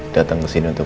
datang ke sini untuk